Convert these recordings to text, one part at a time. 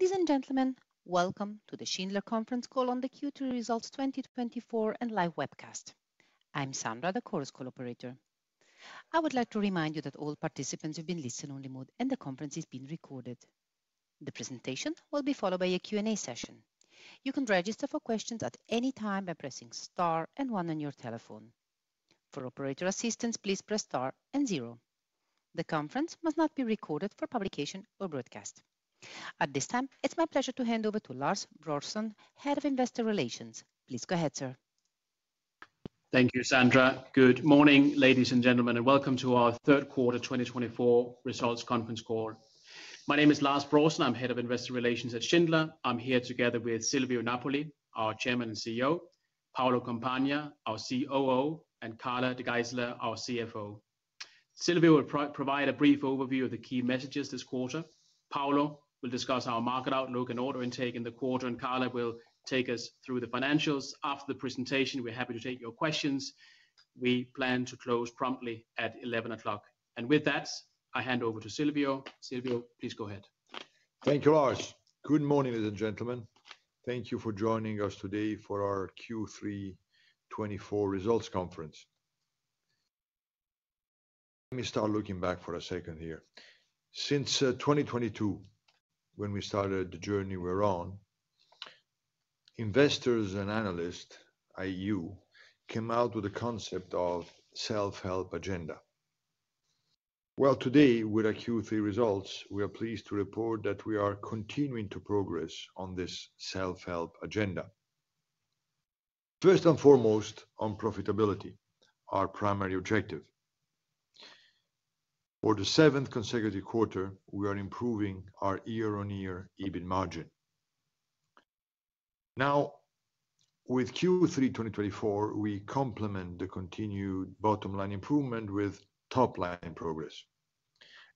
Ladies and gentlemen, welcome to the Schindler conference call on the Q3 results 2024 and live webcast. I'm Sandra, the Chorus Call operator. I would like to remind you that all participants have been listen-only mode, and the conference is being recorded. The presentation will be followed by a Q&A session. You can register for questions at any time by pressing star and one on your telephone. For operator assistance, please press star and zero. The conference must not be recorded for publication or broadcast. At this time, it's my pleasure to hand over to Lars Brorson, Head of Investor Relations. Please go ahead, sir. Thank you, Sandra. Good morning, ladies and gentlemen, and welcome to our third quarter 2024 results conference call. My name is Lars Brorson. I'm Head of Investor Relations at Schindler. I'm here together with Silvio Napoli, our Chairman and CEO, Paolo Compagna, our COO, and Carla De Geyseleer, our CFO. Silvio will provide a brief overview of the key messages this quarter. Paolo will discuss our market outlook and order intake in the quarter, and Carla will take us through the financials. After the presentation, we're happy to take your questions. We plan to close promptly at 11:00 A.M., and with that, I hand over to Silvio. Silvio, please go ahead. Thank you, Lars. Good morning, ladies and gentlemen. Thank you for joining us today for our Q3 2024 results conference. Let me start looking back for a second here. Since 2022, when we started the journey we're on, investors and analysts, i.e., you, came out with a concept of self-help agenda. Today, with our Q3 results, we are pleased to report that we are continuing to progress on this self-help agenda. First and foremost, on profitability, our primary objective. For the seventh consecutive quarter, we are improving our year-on-year EBIT margin. Now, with Q3 2024, we complement the continued bottom line improvement with top line progress,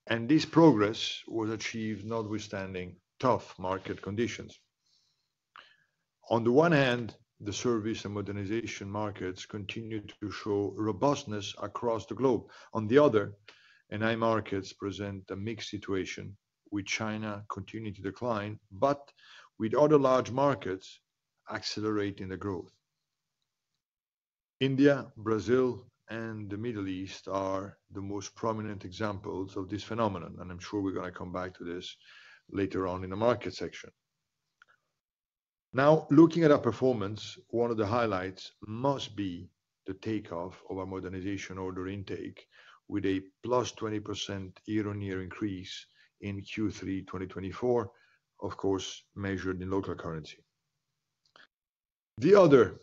and this progress was achieved notwithstanding tough market conditions. On the one hand, the service and modernization markets continued to show robustness across the globe. On the other, NI markets present a mixed situation, with China continuing to decline but with other large markets accelerating the growth. India, Brazil, and the Middle East are the most prominent examples of this phenomenon, and I'm sure we're gonna come back to this later on in the market section. Now, looking at our performance, one of the highlights must be the takeoff of our modernization order intake, with a +20% year-on-year increase in Q3 2024, of course, measured in local currency. The other,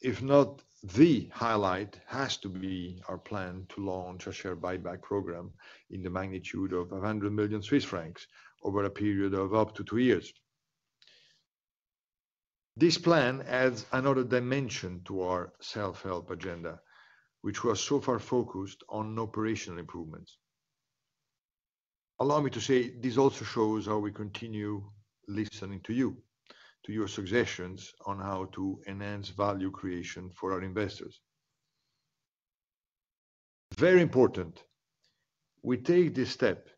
if not the highlight, has to be our plan to launch a share buyback program in the magnitude of 100 million Swiss francs over a period of up to two years. This plan adds another dimension to our self-help agenda, which was so far focused on operational improvements. Allow me to say, this also shows how we continue listening to you, to your suggestions on how to enhance value creation for our investors. Very important, we take this step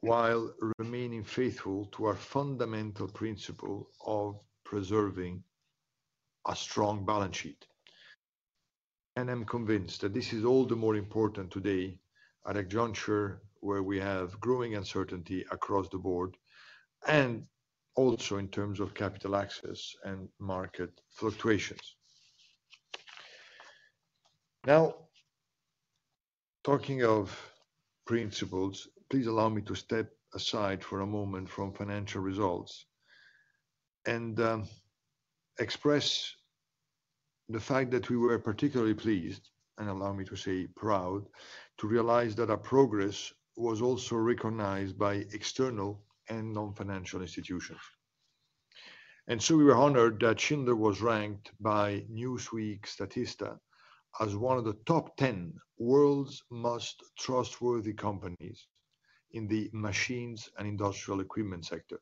while remaining faithful to our fundamental principle of preserving a strong balance sheet, and I'm convinced that this is all the more important today at a juncture where we have growing uncertainty across the board and also in terms of capital access and market fluctuations. Now, talking of principles, please allow me to step aside for a moment from financial results and, express the fact that we were particularly pleased, and allow me to say proud, to realize that our progress was also recognized by external and non-financial institutions. And so we were honored that Schindler was ranked by Newsweek Statista as one of the top ten World's Most Trustworthy Companies in the Machines and Industrial Equipment sector.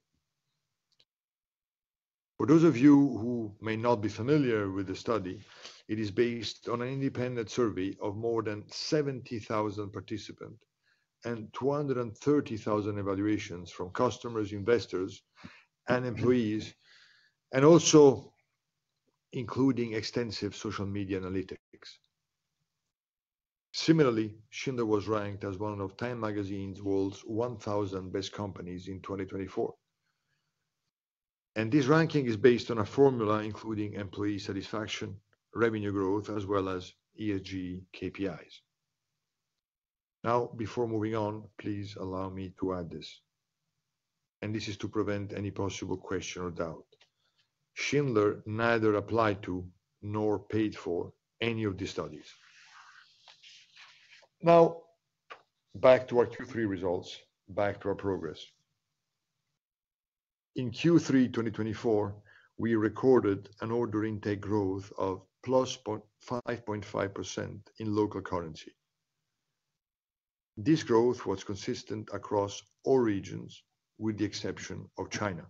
For those of you who may not be familiar with the study, it is based on an independent survey of more than 70,000 participants and 230,000 evaluations from customers, investors, and employees, and also including extensive social media analytics. Similarly, Schindler was ranked as one of Time magazine's World's 1,000 Best Companies in 2024, and this ranking is based on a formula, including employee satisfaction, revenue growth, as well as ESG KPIs. Now, before moving on, please allow me to add this, and this is to prevent any possible question or doubt. Schindler neither applied to nor paid for any of these studies. Now, back to our Q3 results, back to our progress. In Q3 2024, we recorded an order intake growth of +5.5% in local currency. This growth was consistent across all regions, with the exception of China.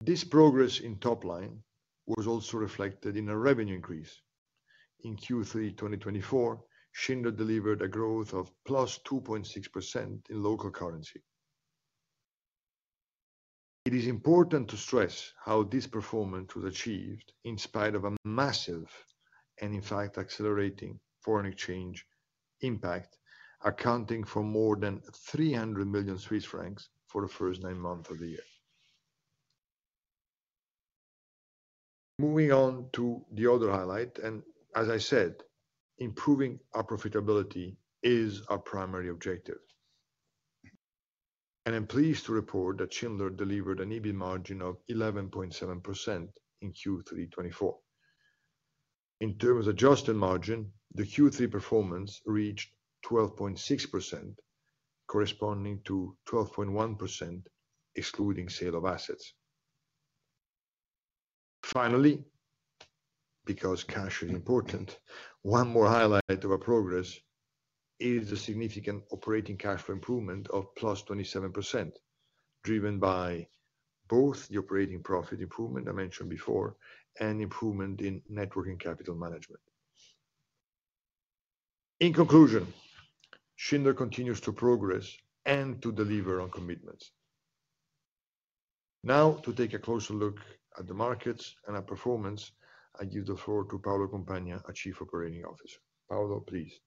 This progress in top line was also reflected in a revenue increase. In Q3 2024, Schindler delivered a growth of +2.6% in local currency. It is important to stress how this performance was achieved in spite of a massive, and in fact, accelerating foreign exchange impact, accounting for more than 300 million Swiss francs for the first nine months of the year. Moving on to the other highlight, and as I said, improving our profitability is our primary objective, and I'm pleased to report that Schindler delivered an EBIT margin of 11.7% in Q3 2024. In terms of adjusted margin, the Q3 performance reached 12.6%, corresponding to 12.1%, excluding sale of assets. Finally, because cash is important, one more highlight of our progress is the significant operating cash flow improvement of +27%, driven by both the operating profit improvement I mentioned before and improvement in net working capital management. In conclusion, Schindler continues to progress and to deliver on commitments. Now, to take a closer look at the markets and our performance, I give the floor to Paolo Compagna, our Chief Operating Officer. Paolo, please.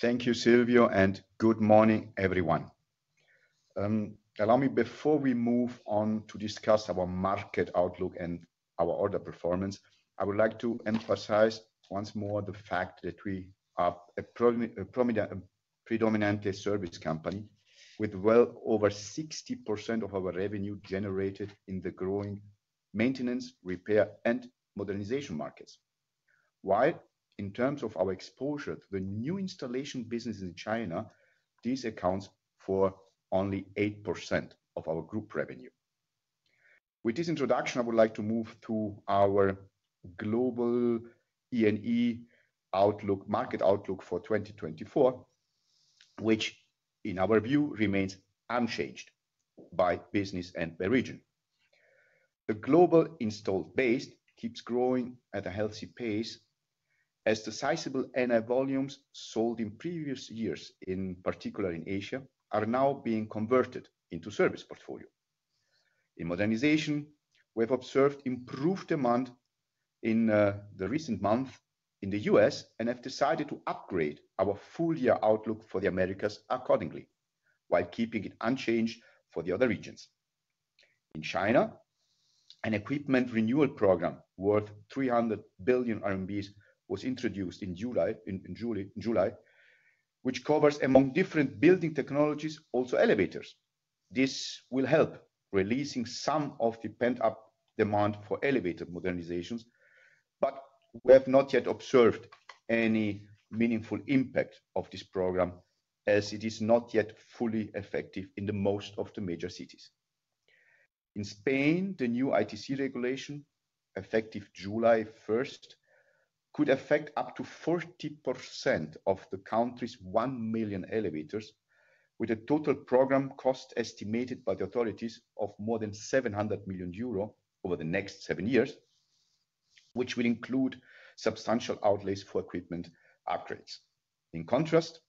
Thank you, Silvio, and good morning, everyone. Allow me before we move on to discuss our market outlook and our order performance. I would like to emphasize once more the fact that we are a predominantly service company, with well over 60% of our revenue generated in the growing maintenance, repair, and modernization markets. While, in terms of our exposure to the new installation business in China, this accounts for only 8% of our group revenue. With this introduction, I would like to move to our global E&E outlook, market outlook for 2024, which, in our view, remains unchanged by business and by region. The global installed base keeps growing at a healthy pace, as the sizable NI volumes sold in previous years, in particular in Asia, are now being converted into service portfolio. In modernization, we have observed improved demand in the recent month in the U.S. and have decided to upgrade our full-year outlook for the Americas accordingly, while keeping it unchanged for the other regions. In China, an equipment renewal program worth 300 billion RMB was introduced in July, which covers, among different building technologies, also elevators. This will help releasing some of the pent-up demand for elevator modernizations, but we have not yet observed any meaningful impact of this program, as it is not yet fully effective in most of the major cities. In Spain, the new ITC regulation, effective July 1st, could affect up to 40% of the country's one million elevators, with a total program cost estimated by the authorities of more than 700 million euro over the next seven years, which will include substantial outlays for equipment upgrades. In contrast,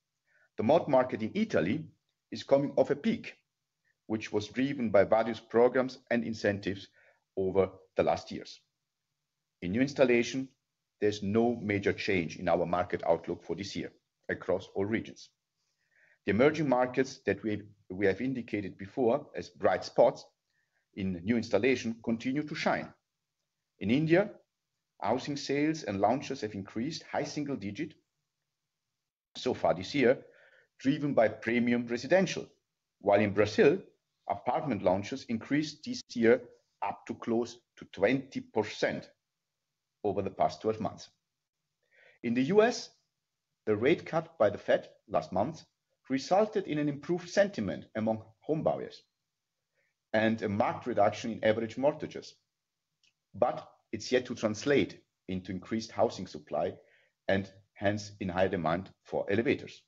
the mod market in Italy is coming off a peak, which was driven by various programs and incentives over the last years. In new installation, there's no major change in our market outlook for this year across all regions. The emerging markets that we have indicated before as bright spots in new installation continue to shine. In India, housing sales and launches have increased high single-digit so far this year, driven by premium residential. While in Brazil, apartment launches increased this year up to close to 20% over the past 12 months. In the U.S., the rate cut by the Fed last month resulted in an improved sentiment among home buyers and a marked reduction in average mortgages, but it's yet to translate into increased housing supply and hence, in higher demand for elevators.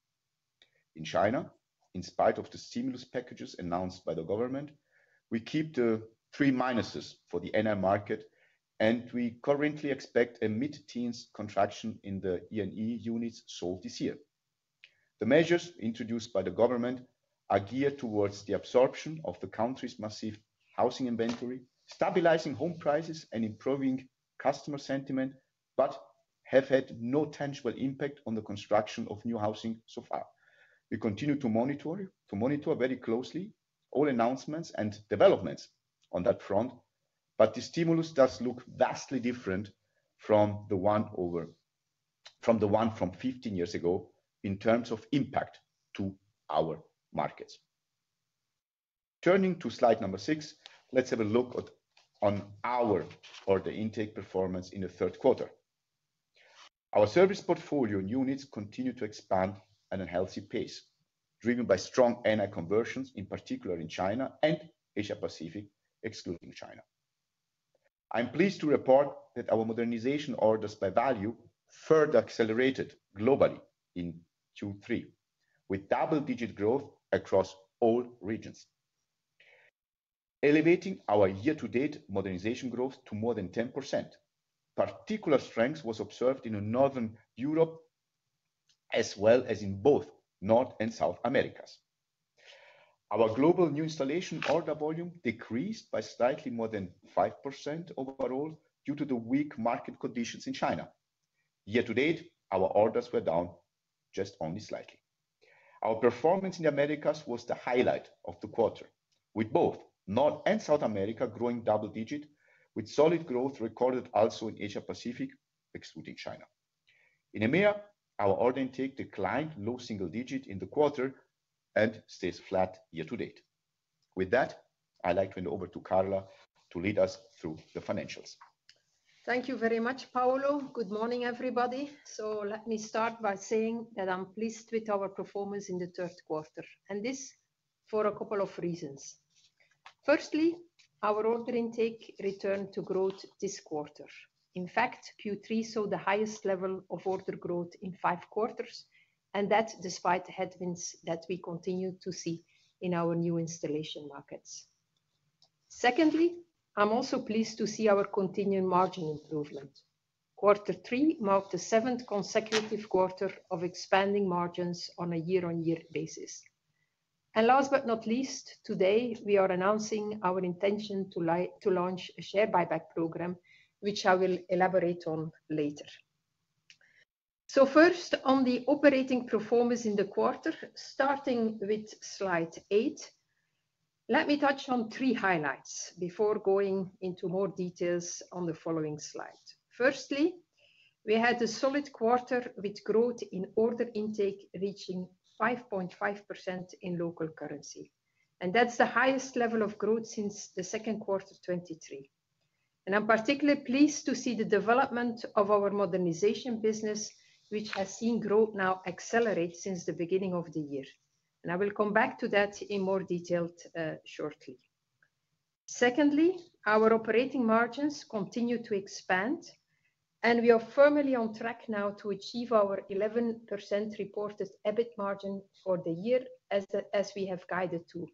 In China, in spite of the stimulus packages announced by the government, we keep the three minuses for the NI market, and we currently expect a mid-teens contraction in the E&E units sold this year. The measures introduced by the government are geared towards the absorption of the country's massive housing inventory, stabilizing home prices, and improving customer sentiment, but have had no tangible impact on the construction of new housing so far. We continue to monitor very closely all announcements and developments on that front, but the stimulus does look vastly different from the one from 15 years ago in terms of impact to our markets. Turning to slide number six, let's have a look at, on our order intake performance in the third quarter. Our service portfolio units continue to expand at a healthy pace, driven by strong NI conversions, in particular in China and Asia-Pacific, excluding China. I'm pleased to report that our modernization orders by value further accelerated globally in Q3, with double-digit growth across all regions. Elevating our year-to-date modernization growth to more than 10%. Particular strength was observed in Northern Europe, as well as in both North and South America. Our global new installation order volume decreased by slightly more than 5% overall due to the weak market conditions in China. Year-to-date, our orders were down just only slightly. Our performance in the Americas was the highlight of the quarter, with both North and South America growing double-digit, with solid growth recorded also in Asia-Pacific, excluding China. In EMEA, our order intake declined low single-digit in the quarter and stays flat year-to-date. With that, I'd like to hand over to Carla to lead us through the financials. Thank you very much, Paolo. Good morning, everybody. So let me start by saying that I'm pleased with our performance in the third quarter, and this for a couple of reasons. Firstly, our order intake returned to growth this quarter. In fact, Q3 saw the highest level of order growth in five quarters, and that's despite the headwinds that we continue to see in our new installation markets. Secondly, I'm also pleased to see our continued margin improvement. Quarter three marked the seventh consecutive quarter of expanding margins on a year-on-year basis. And last but not least, today we are announcing our intention to launch a share buyback program, which I will elaborate on later. So first, on the operating performance in the quarter, starting with slide eight. Let me touch on three highlights before going into more details on the following slide. Firstly, we had a solid quarter with growth in order intake reaching 5.5% in local currency, and that's the highest level of growth since the second quarter of 2023. And I'm particularly pleased to see the development of our modernization business, which has seen growth now accelerate since the beginning of the year. And I will come back to that in more detail, shortly. Secondly, our operating margins continue to expand, and we are firmly on track now to achieve our 11% Reported EBIT margin for the year as we have guided to,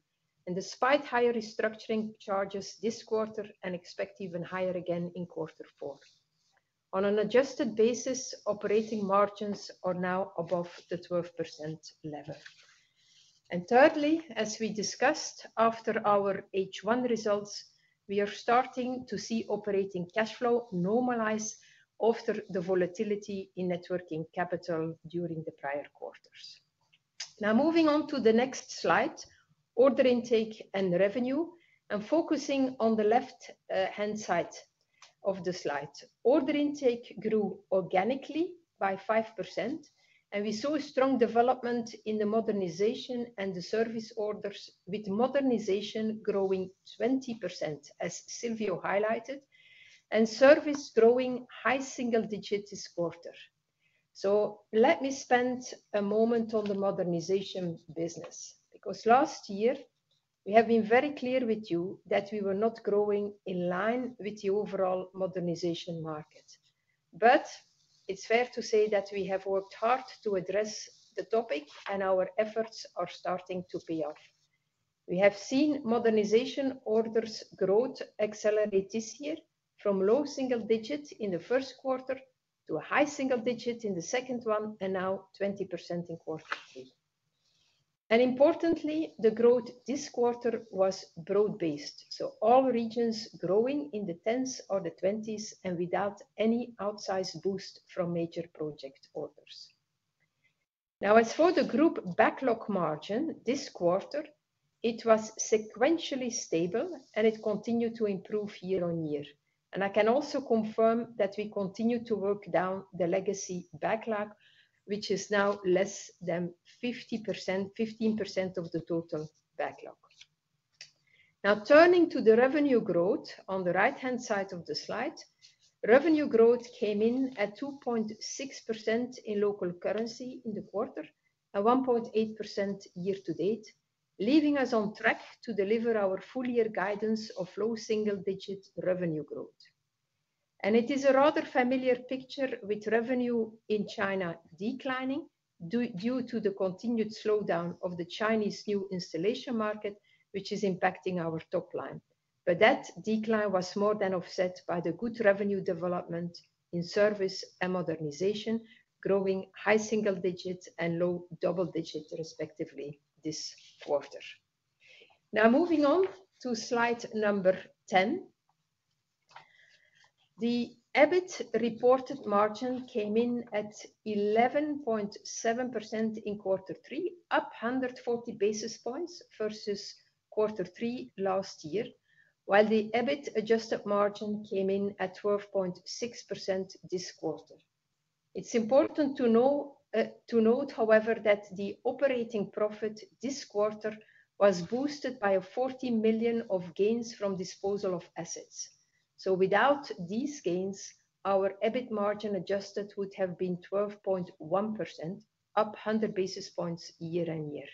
and despite higher restructuring charges this quarter and expect even higher again in quarter four. On an adjusted basis, operating margins are now above the 12% level. Thirdly, as we discussed after our H1 results, we are starting to see operating cash flow normalize after the volatility in net working capital during the prior quarters. Now, moving on to the next slide, order intake and revenue, and focusing on the left hand side of the slide. Order intake grew organically by 5%, and we saw a strong development in the modernization and the service orders, with modernization growing 20%, as Silvio highlighted, and service growing high single-digit this quarter. Let me spend a moment on the modernization business, because last year we have been very clear with you that we were not growing in line with the overall modernization market. But it's fair to say that we have worked hard to address the topic, and our efforts are starting to pay off. We have seen modernization orders growth accelerate this year from low single-digits in the first quarter to a high single-digit in the second one, and now 20% in quarter three. And importantly, the growth this quarter was broad-based, so all regions growing in the 10s or the 20s and without any outsized boost from major project orders. Now, as for the group backlog margin, this quarter, it was sequentially stable, and it continued to improve year-on-year. And I can also confirm that we continue to work down the legacy backlog, which is now less than 50%, 15% of the total backlog. Now, turning to the revenue growth on the right-hand side of the slide. Revenue growth came in at 2.6% in local currency in the quarter and 1.8% year-to-date, leaving us on track to deliver our full year guidance of low single-digit revenue growth. It is a rather familiar picture with revenue in China declining due to the continued slowdown of the Chinese new installation market, which is impacting our top line. That decline was more than offset by the good revenue development in service and modernization, growing high single-digits and low double-digits, respectively, this quarter. Now moving on to slide number 10. The EBIT reported margin came in at 11.7% in quarter three, up 140 basis points versus quarter three last year, while the EBIT adjusted margin came in at 12.6% this quarter. It's important to know to note, however, that the operating profit this quarter was boosted by 14 million of gains from disposal of assets. So without these gains, our EBIT margin adjusted would have been 12.1%, up 100 basis points year-on-year.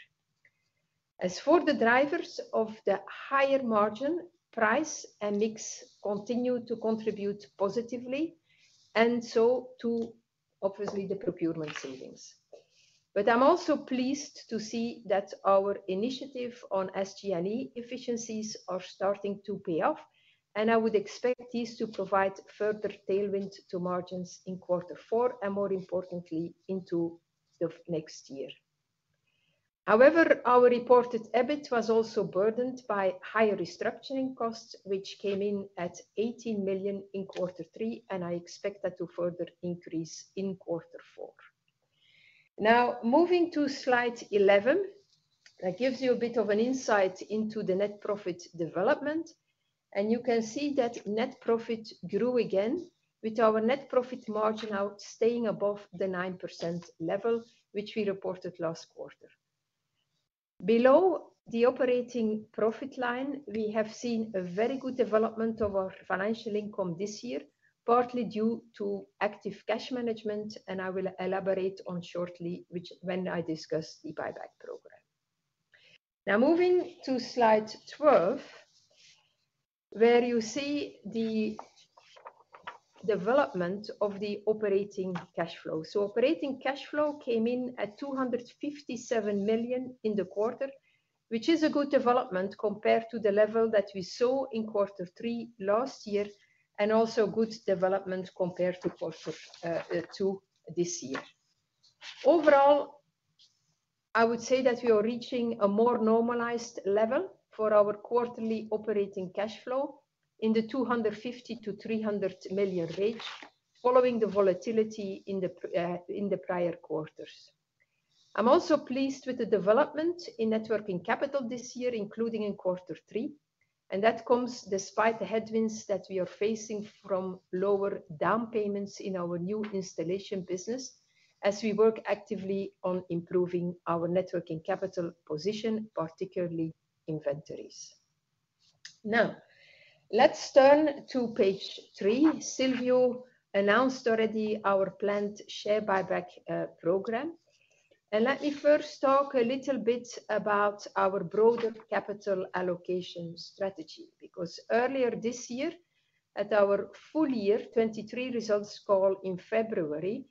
As for the drivers of the higher margin, price and mix continue to contribute positively, and so too, obviously, the procurement savings. But I'm also pleased to see that our initiative on SG&A efficiencies are starting to pay off, and I would expect this to provide further tailwind to margins in quarter four, and more importantly, into the next year. However, our Reported EBIT was also burdened by higher restructuring costs, which came in at 80 million in quarter three, and I expect that to further increase in quarter four. Now, moving to slide 11, that gives you a bit of an insight into the net profit development, and you can see that net profit grew again, with our net profit margin now staying above the 9% level, which we reported last quarter. Below the operating profit line, we have seen a very good development of our financial income this year, partly due to active cash management, and I will elaborate on shortly, which when I discuss the buyback program. Now, moving to slide 12, where you see the development of the operating cash flow, so operating cash flow came in at 257 million in the quarter, which is a good development compared to the level that we saw in quarter three last year, and also good development compared to quarter two this year. Overall, I would say that we are reaching a more normalized level for our quarterly operating cash flow in the 250 million-300 million range, following the volatility in the prior quarters. I'm also pleased with the development in net working capital this year, including in quarter three, and that comes despite the headwinds that we are facing from lower down payments in our new installation business, as we work actively on improving our net working capital position, particularly inventories. Now, let's turn to page three. Silvio announced already our planned share buyback program. Let me first talk a little bit about our broader capital allocation strategy, because earlier this year, at our full year 2023 results call in February,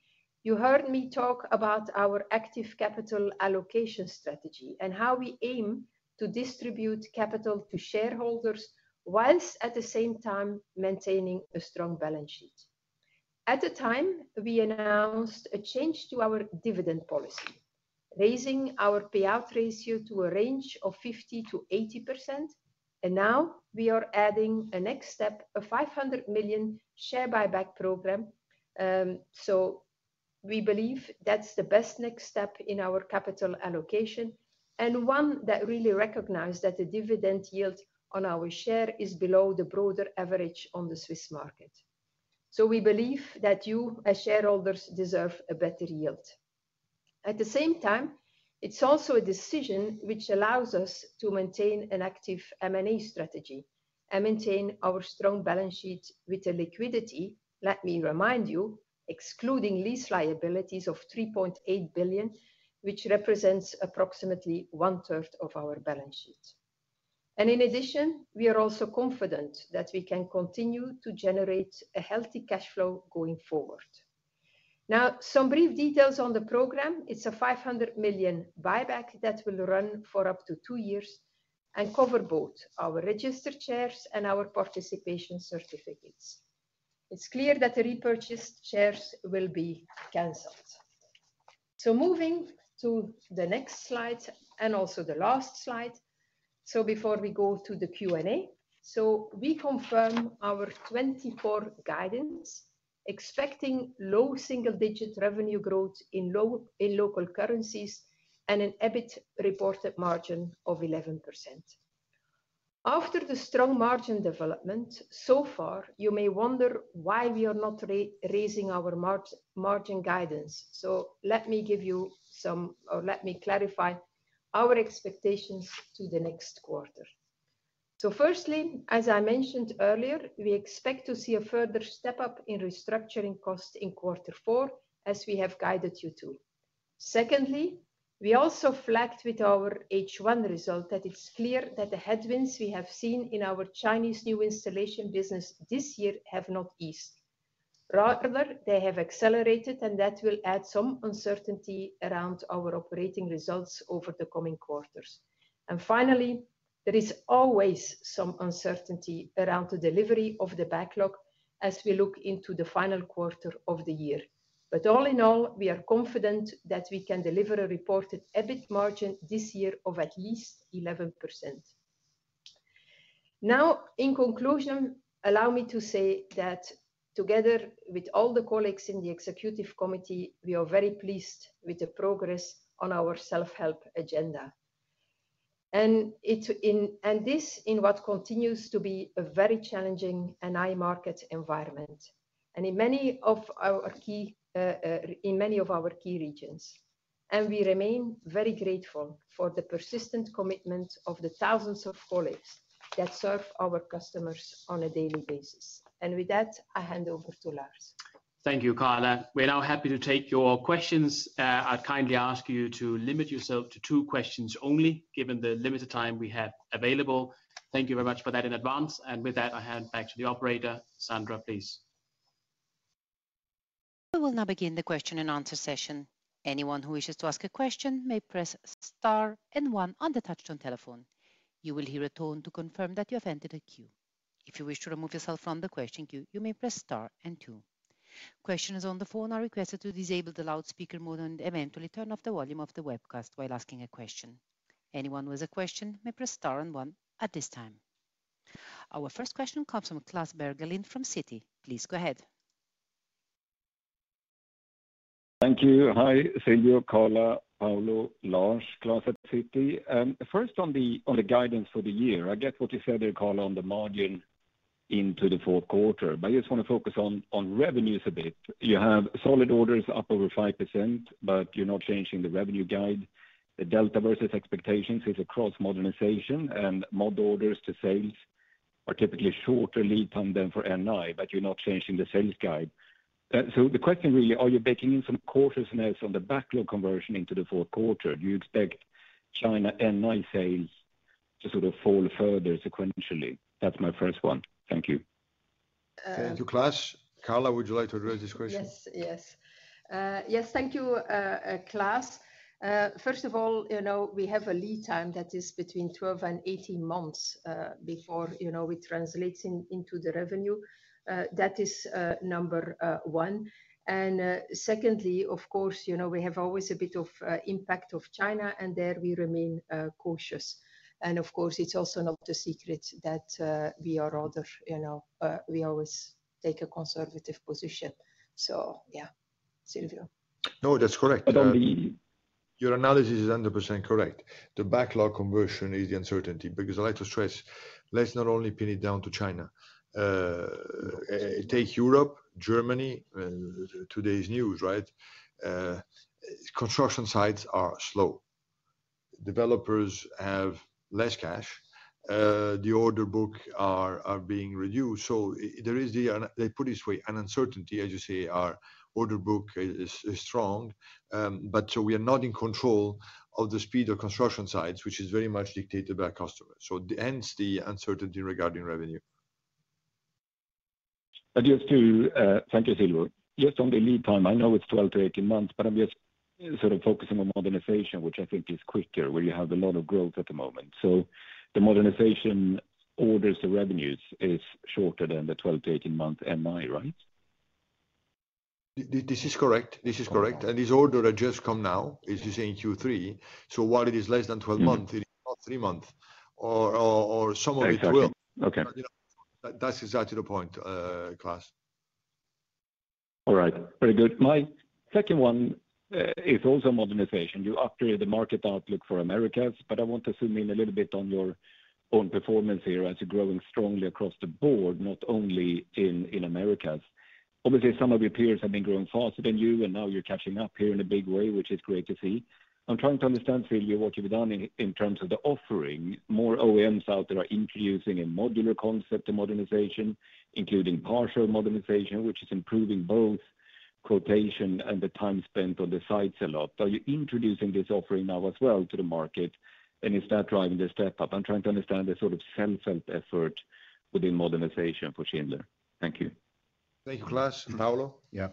you heard me talk about our active capital allocation strategy and how we aim to distribute capital to shareholders, while at the same time maintaining a strong balance sheet. At the time, we announced a change to our dividend policy, raising our payout ratio to a range of 50%-80%, and now we are adding a next step, a 500 million share buyback program. So we believe that's the best next step in our capital allocation, and one that really recognized that the dividend yield on our share is below the broader average on the Swiss market, so we believe that you, as shareholders, deserve a better yield. At the same time, it's also a decision which allows us to maintain an active M&A strategy and maintain our strong balance sheet with a liquidity, let me remind you, excluding lease liabilities of 3.8 billion, which represents approximately 1/3 of our balance sheet. In addition, we are also confident that we can continue to generate a healthy cash flow going forward. Now, some brief details on the program. It's a 500 million buyback that will run for up to two years and cover both our registered shares and our participation certificates. It's clear that the repurchased shares will be canceled. Moving to the next slide, and also the last slide. Before we go to the Q&A, we confirm our 2024 guidance, expecting low single-digit revenue growth in local currencies and an EBIT reported margin of 11%. After the strong margin development so far, you may wonder why we are not raising our margin guidance. Let me clarify our expectations to the next quarter. Firstly, as I mentioned earlier, we expect to see a further step-up in restructuring costs in quarter four, as we have guided you to. Secondly, we also flagged with our H1 result that it's clear that the headwinds we have seen in our Chinese new installation business this year have not eased. Rather, they have accelerated, and that will add some uncertainty around our operating results over the coming quarters, and finally, there is always some uncertainty around the delivery of the backlog as we look into the final quarter of the year. But all in all, we are confident that we can deliver a Reported EBIT margin this year of at least 11%. Now, in conclusion, allow me to say that together with all the colleagues in the executive committee, we are very pleased with the progress on our self-help agenda. And this in what continues to be a very challenging and high market environment, and in many of our key regions. And we remain very grateful for the persistent commitment of the thousands of colleagues that serve our customers on a daily basis. And with that, I hand over to Lars. Thank you, Carla. We're now happy to take your questions. I'd kindly ask you to limit yourself to two questions only, given the limited time we have available. Thank you very much for that in advance, and with that, I hand back to the operator. Sandra, please. We will now begin the question-and-answer session. Anyone who wishes to ask a question may press star and one on the touch-tone telephone. You will hear a tone to confirm that you have entered a queue. If you wish to remove yourself from the question queue, you may press star and two. Questions on the phone are requested to disable the loudspeaker mode and eventually turn off the volume of the webcast while asking a question. Anyone who has a question may press star and one at this time. Our first question comes from Klas Bergelind from Citi. Please go ahead. Thank you. Hi, Silvio, Carla, Paolo, Lars. Klas at Citi. First, on the guidance for the year, I get what you said there, Carla, on the margin into the fourth quarter, but I just want to focus on revenues a bit. You have solid orders up over 5%, but you're not changing the revenue guide. The delta versus expectations is across modernization and mod orders to sales are typically shorter lead time than for NI, but you're not changing the sales guide. So the question really, are you baking in some cautiousness on the backlog conversion into the fourth quarter? Do you expect China NI sales to sort of fall further sequentially? That's my first one. Thank you. Thank you, Klas. Carla, would you like to address this question? Yes, yes. Yes, thank you, Klas. First of all, you know, we have a lead time that is between 12 and 18 months before, you know, it translates into the revenue. That is number one. And secondly, of course, you know, we have always a bit of impact of China, and there we remain cautious. And of course, it's also not a secret that we are rather, you know, we always take a conservative position. So yeah, Silvio. No, that's correct. But on the- Your analysis is 100% correct. The backlog conversion is the uncertainty, because I like to stress, let's not only pin it down to China. Take Europe, Germany, today's news, right? Construction sites are slow. Developers have less cash. The order book are being reduced, so there is the, Let's put it this way, an uncertainty, as you say, our order book is strong, but so we are not in control of the speed of construction sites, which is very much dictated by our customers. So hence, the uncertainty regarding revenue. Thank you, Silvio. Just on the lead time, I know it's 12-18 months, but I'm just sort of focusing on modernization, which I think is quicker, where you have a lot of growth at the moment. So the modernization orders to revenues is shorter than the 12-18 month NI, right? This is correct. This is correct. Uh-huh. This order that just come now is just in Q3. While it is less than 12 months- Mm-hmm It is not three months or some of it will. Exactly. Okay. But, you know, that's exactly the point, Klas. All right. Very good. My second one is also modernization. You updated the market outlook for Americas, but I want to zoom in a little bit on your own performance here as you're growing strongly across the board, not only in Americas. Obviously, some of your peers have been growing faster than you, and now you're catching up here in a big way, which is great to see. I'm trying to understand for you what you've done in terms of the offering. More OEMs out there are introducing a modular concept to modernization, including partial modernization, which is improving both quotation and the time spent on the sites a lot. Are you introducing this offering now as well to the market, and is that driving the step up? I'm trying to understand the sort of self-help effort within modernization for Schindler. Thank you. Thank you, Klas. Paolo? Yeah.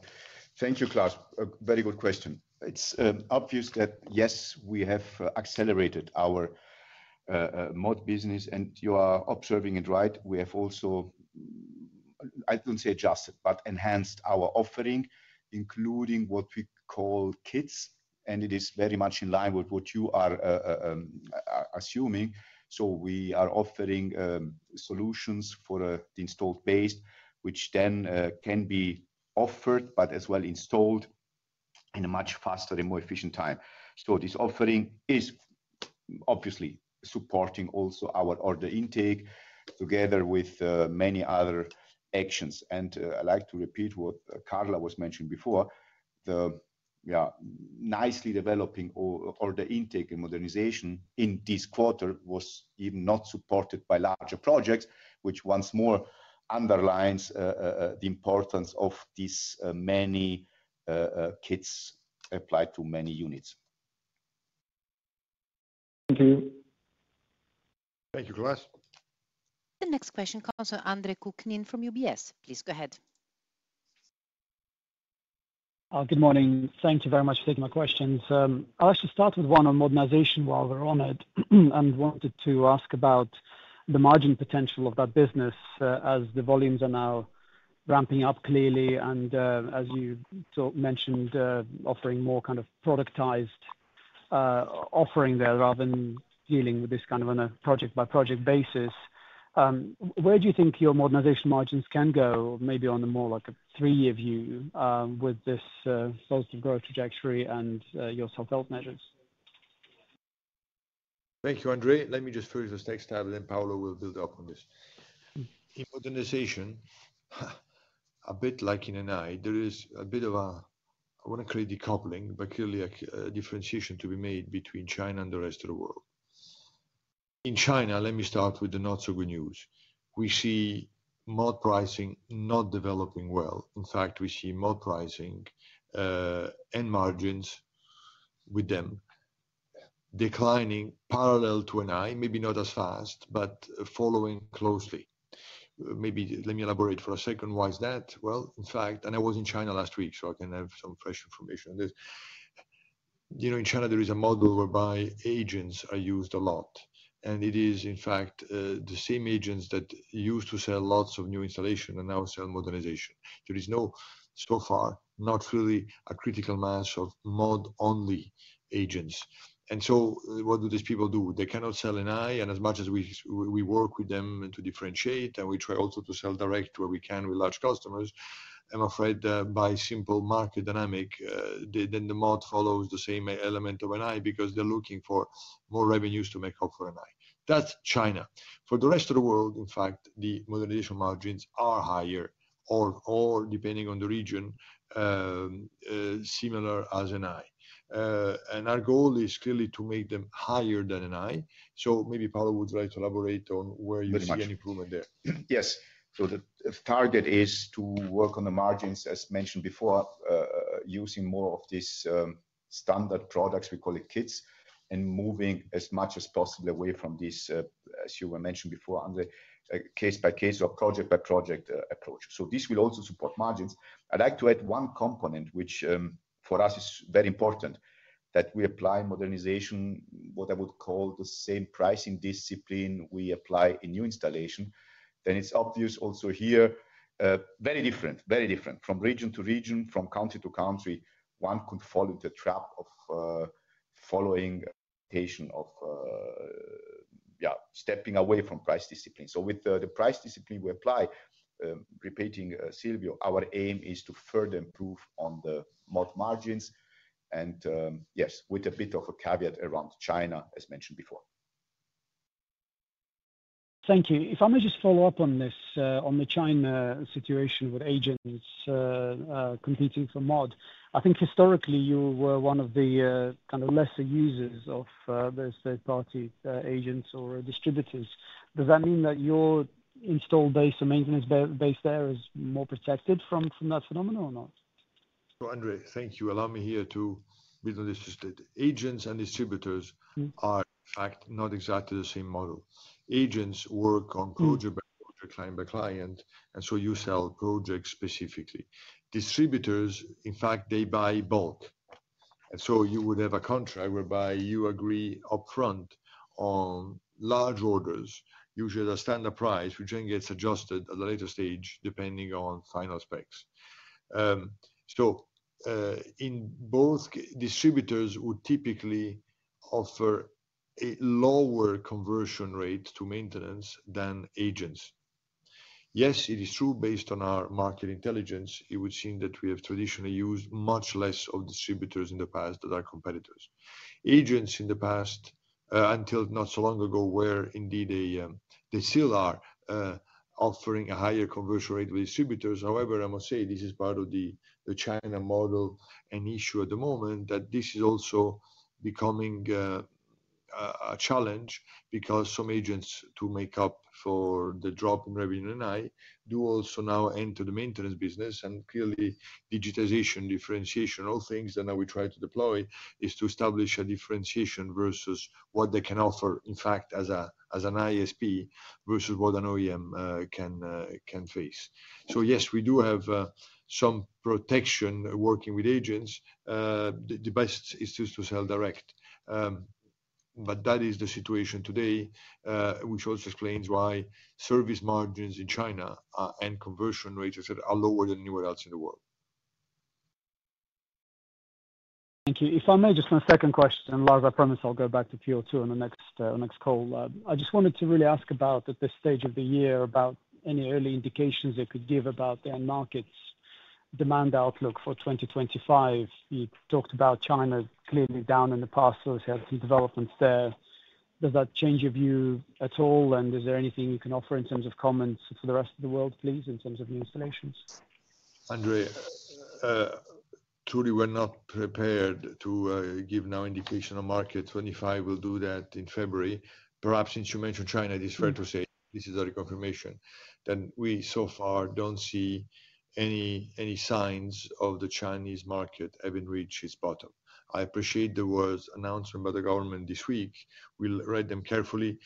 Thank you, Klas. A very good question. It's obvious that yes, we have accelerated our mod business, and you are observing it right. We have also, I wouldn't say adjusted, but enhanced our offering, including what we call Kits, and it is very much in line with what you are assuming, so we are offering solutions for the installed base, which then can be offered but as well installed in a much faster and more efficient time, so this offering is obviously supporting also our order intake together with many other actions. I'd like to repeat what Carla was mentioning before, the nicely developing order intake and modernization in this quarter was not even supported by larger projects, which once more underlines the importance of these many Kits applied to many units. Thank you. Thank you, Klas. The next question comes from Andre Kukhnin from UBS. Please go ahead. Good morning. Thank you very much for taking my questions. I'll actually start with one on modernization while we're on it, and wanted to ask about the margin potential of that business, as the volumes are now ramping up clearly, and, as you sort of mentioned, offering more kind of productized offering there, rather than dealing with this kind of on a project-by-project basis. Where do you think your modernization margins can go? Maybe on a more like a three-year view, with this positive growth trajectory and your self-help measures. Thank you, Andre. Let me just finish this next tab, and then Paolo will build up on this. In modernization, a bit like in NI, there is a bit of a. I wouldn't say there's decoupling, but clearly a differentiation to be made between China and the rest of the world. In China, let me start with the not-so-good news. We see mod pricing not developing well. In fact, we see mod pricing and margins with them declining parallel to NI, maybe not as fast, but following closely. Maybe let me elaborate for a second. Why is that? Well, in fact, and I was in China last week, so I can have some fresh information on this. You know, in China, there is a model whereby agents are used a lot, and it is, in fact, the same agents that used to sell lots of new installation and now sell modernization. There is, so far, not really a critical mass of mod-only agents. And so what do these people do? They cannot sell an NI, and as much as we work with them and to differentiate, and we try also to sell direct where we can with large customers. I'm afraid, by simple market dynamic, then the mod follows the same element of an NI because they're looking for more revenues to make up for an NI. That's China. For the rest of the world, in fact, the modernization margins are higher or depending on the region similar as an NI. And our goal is clearly to make them higher than an eye. So maybe Paolo would like to elaborate on where you see any improvement there. Yes. So the target is to work on the margins, as mentioned before, using more of these standard products, we call it Kits, and moving as much as possible away from this, as you were mentioning before, on the case-by-case or project-by-project approach. So this will also support margins. I'd like to add one component, which, for us is very important, that we apply modernization, what I would call the same pricing discipline we apply in new installation. Then it's obvious also here, very different, very different from region-to-region, from country-to- country. One could follow the trap of following iteration of, yeah, stepping away from price discipline. So with the price discipline we apply, repeating Silvio, our aim is to further improve on the mod margins and, yes, with a bit of a caveat around China, as mentioned before. Thank you. If I may just follow up on this, on the China situation with agents competing for mod. I think historically, you were one of the kind of lesser users of those third-party agents or distributors. Does that mean that your install base and maintenance base there is more protected from that phenomenon or not? Andre, thank you. Allow me here to briefly discuss that agents and distributors- Mm-hmm. -are, in fact, not exactly the same model. Agents work on project-by-project, client-by-client, and so you sell projects specifically. Distributors, in fact, they buy bulk, and so you would have a contract whereby you agree upfront on large orders, usually at a standard price, which then gets adjusted at a later stage, depending on final specs. So, in both distributors would typically offer a lower conversion rate to maintenance than agents. Yes, it is true. Based on our market intelligence, it would seem that we have traditionally used much less of distributors in the past than our competitors. Agents in the past, until not so long ago, were indeed a... They still are, offering a higher conversion rate with distributors. However, I must say this is part of the China model and issue at the moment, that this is also becoming a challenge because some agents, to make up for the drop in revenue NI, do also now enter the maintenance business. And clearly, digitization, differentiation, all things that now we try to deploy is to establish a differentiation versus what they can offer, in fact, as an ISP versus what an OEM can face. So yes, we do have some protection working with agents. The best is just to sell direct. But that is the situation today, which also explains why service margins in China and conversion rates are lower than anywhere else in the world. Thank you. If I may, just one second question, Lars. I promise I'll go back to queue on the next, next call. I just wanted to really ask about, at this stage of the year, about any early indications you could give about the end markets demand outlook for 2025. You talked about China clearly down in the past, so we have some developments there. Does that change your view at all, and is there anything you can offer in terms of comments for the rest of the world, please, in terms of new installations? Andre, truly, we're not prepared to give no indication on market 2025. We'll do that in February. Perhaps, since you mentioned China, it is fair to say, this is a reconfirmation, that we so far don't see any signs of the Chinese market having reached its bottom. I appreciate there was announcement by the government this week. We'll read them carefully.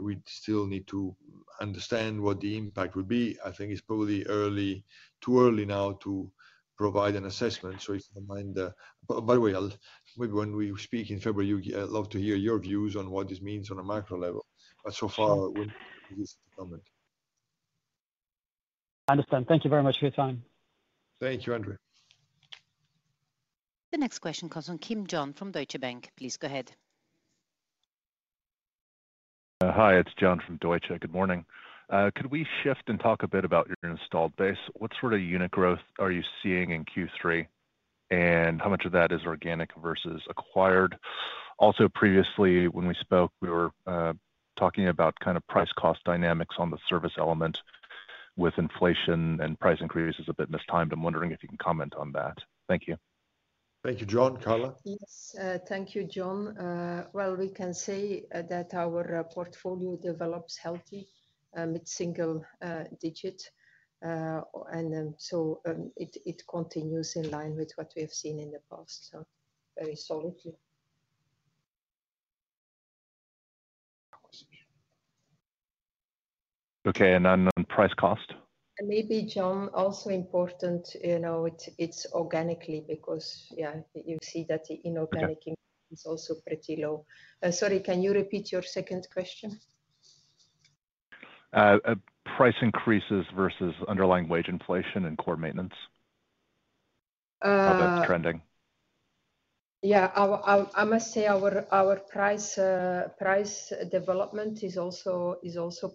We still need to understand what the impact would be. I think it's probably too early now to provide an assessment. So if you don't mind... By the way, I'll maybe when we speak in February, I'd love to hear your views on what this means on a macro level. But so far, we- Sure. This is to come in. I understand. Thank you very much for your time. Thank you, Andre. The next question comes from John Kim from Deutsche Bank. Please go ahead. Hi, it's John from Deutsche. Good morning. Could we shift and talk a bit about your installed base? What sort of unit growth are you seeing in Q3, and how much of that is organic versus acquired? Also, previously when we spoke, we were talking about kind of price-cost dynamics on the service element with inflation and price increases a bit mistimed. I'm wondering if you can comment on that. Thank you.... Thank you, John. Carla? Yes, thank you, John. We can say that our portfolio develops healthy. It's single-digit, and so it continues in line with what we have seen in the past, so very solidly. Okay, and then on price cost? Maybe, John, also important, you know, it's organically because, yeah, you see that in organic- Okay is also pretty low. Sorry, can you repeat your second question? Price increases versus underlying wage inflation and core maintenance? Uh- How that's trending. Yeah, I must say, our price development is also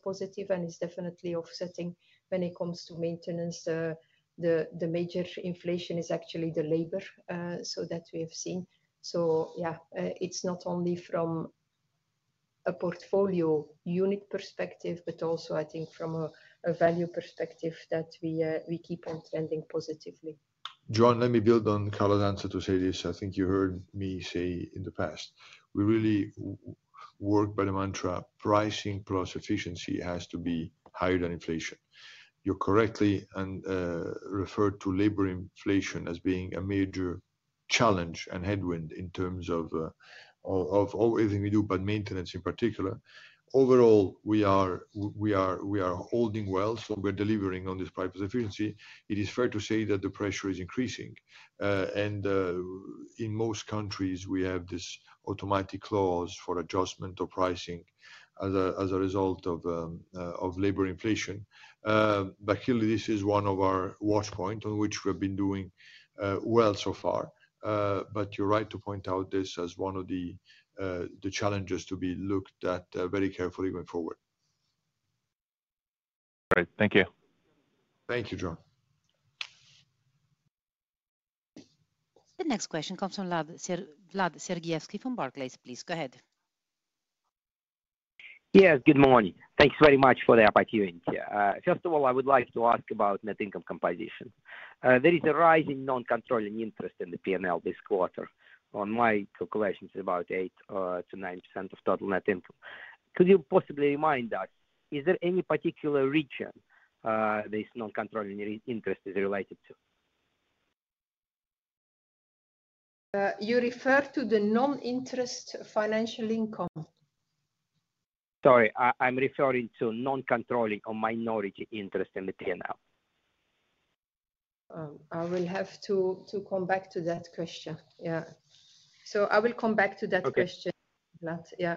positive and is definitely offsetting when it comes to maintenance. The major inflation is actually the labor, so that we have seen. So yeah, it's not only from a portfolio unit perspective, but also I think from a value perspective that we keep on trending positively. John, let me build on Carla's answer to say this. I think you heard me say in the past, we really work by the mantra, pricing plus efficiency has to be higher than inflation. You correctly referred to labor inflation as being a major challenge and headwind in terms of everything we do, but maintenance in particular. Overall, we are holding well, so we're delivering on this price efficiency. It is fair to say that the pressure is increasing, and in most countries we have this automatic clause for adjustment of pricing as a result of labor inflation, but clearly this is one of our watch point on which we've been doing well so far. But you're right to point out this as one of the challenges to be looked at very carefully going forward. Great. Thank you. Thank you, John. The next question comes from Vlad Sergievsky from Barclays. Please, go ahead. Yes, good morning. Thank you very much for the opportunity. First of all, I would like to ask about net income composition. There is a rise in non-controlling interest in the PNL this quarter. On my calculations, it's about 8%-9% of total net income. Could you possibly remind us, is there any particular region this non-controlling interest is related to? You refer to the non-interest financial income? Sorry, I'm referring to non-controlling or minority interest in the PNL. I will have to come back to that question. Yeah. So I will come back to that question. Okay. Vlad. Yeah.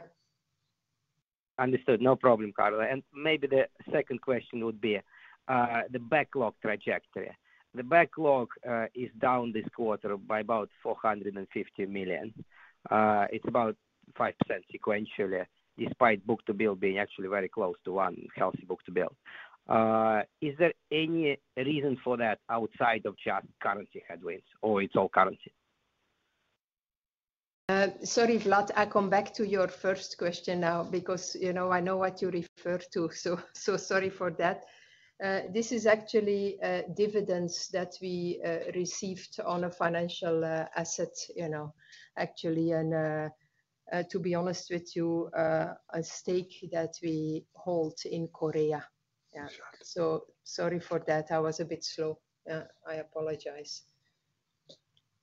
Understood. No problem, Carla. And maybe the second question would be the backlog trajectory. The backlog is down this quarter by about 450 million. It's about 5% sequentially, despite book-to-bill being actually very close to one healthy book-to-bill. Is there any reason for that outside of just currency headwinds or it's all currency? Sorry, Vlad, I come back to your first question now because, you know, I know what you referred to, so, so sorry for that. This is actually dividends that we received on a financial assets, you know, actually, and, to be honest with you, a stake that we hold in Korea. Yeah. So sorry for that. I was a bit slow. I apologize.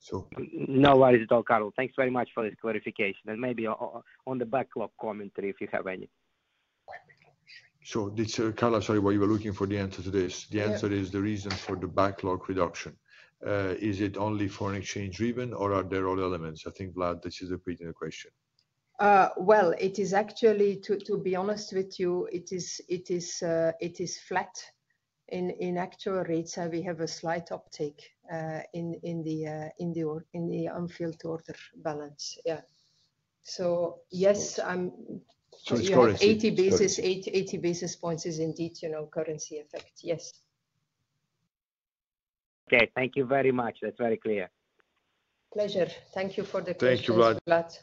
So- No worries at all, Carla. Thanks very much for the clarification. And maybe on the backlog commentary, if you have any. So this, Carla, sorry, what you were looking for the answer to this. Yeah. The answer is the reason for the backlog reduction. Is it only foreign exchange driven or are there other elements? I think, Vlad, this is a pretty question. Well, it is actually... To be honest with you, it is flat. In actual rates, we have a slight uptake in the unfilled order balance. Yeah. So, yes, I'm- It's currency. 80 basis points is indeed, you know, currency effect. Yes. Okay. Thank you very much. That's very clear. Pleasure. Thank you for the question. Thank you, Vlad.... Vlad.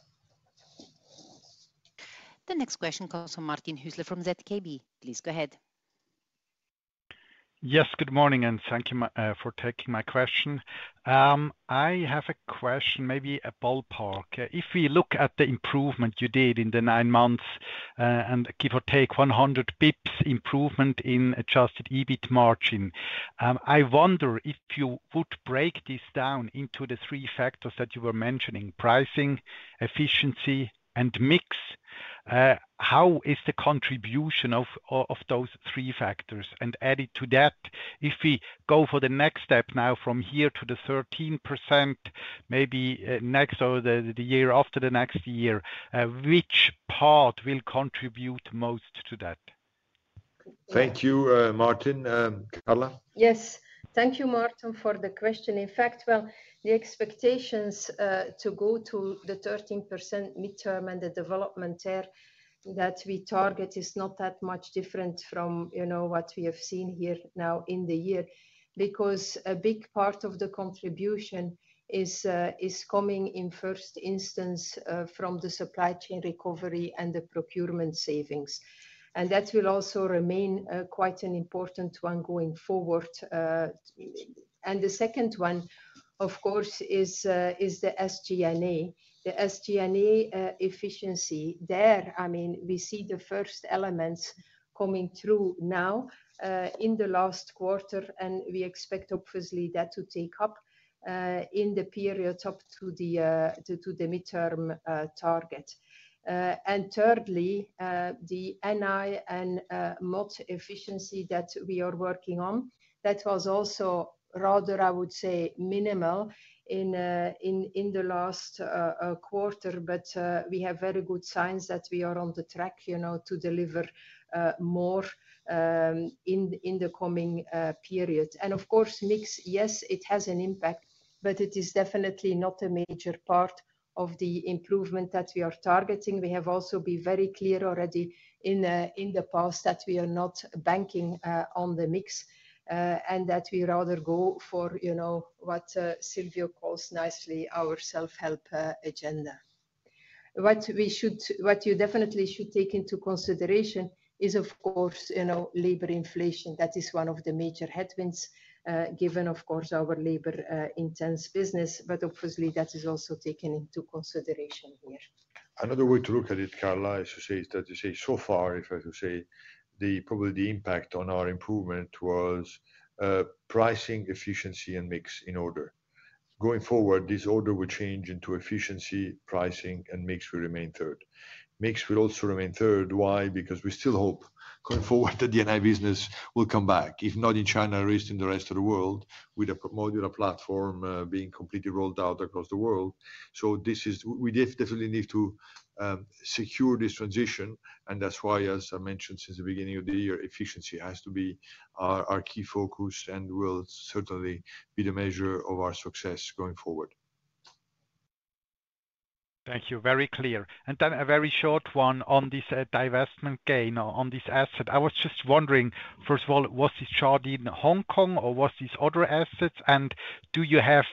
The next question comes from Martin Hüsler from ZKB. Please go ahead. Yes, good morning, and thank you for taking my question. I have a question, maybe a ballpark. If we look at the improvement you did in the nine months, and give or take 100 basis points improvement in Adjusted EBIT margin, I wonder if you would break this down into the three factors that you were mentioning: pricing, efficiency, and mix. How is the contribution of those three factors? And added to that, if we go for the next step now from here to the 13%, maybe next or the year after the next year, which part will contribute most to that? Thank you, Martin. Carla? Yes. Thank you, Martin, for the question. In fact, well, the expectations to go to the 13% midterm and the development there that we target is not that much different from, you know, what we have seen here now in the year. Because a big part of the contribution is coming in first instance from the supply chain recovery and the procurement savings. And that will also remain quite an important one going forward. And the second one, of course, is the SG&A. The SG&A efficiency, there, I mean, we see the first elements coming through now in the last quarter, and we expect obviously that to take up in the period up to the midterm target. And thirdly, the NI and mod efficiency that we are working on, that was also rather, I would say, minimal in the last quarter. But we have very good signs that we are on the track, you know, to deliver more in the coming period. And of course, mix, yes, it has an impact, but it is definitely not a major part of the improvement that we are targeting. We have also been very clear already in the past that we are not banking on the mix, and that we rather go for, you know, what Silvio calls nicely our self-help agenda. What you definitely should take into consideration is, of course, you know, labor inflation. That is one of the major headwinds, given, of course, our labor intense business, but obviously that is also taken into consideration here. Another way to look at it, Carla, is to say so far, if I could say, the probably the impact on our improvement was pricing, efficiency, and mix in order. Going forward, this order will change into efficiency, pricing, and mix will remain third. Mix will also remain third. Why? Because we still hope going forward, the NI business will come back, if not in China, at least in the rest of the world, with a modular platform being completely rolled out across the world. So this is. We definitely need to secure this transition, and that's why, as I mentioned since the beginning of the year, efficiency has to be our key focus and will certainly be the measure of our success going forward. Thank you. Very clear. And then a very short one on this, divestment gain on this asset. I was just wondering, first of all, was this divest in Hong Kong or was this other assets? And do you have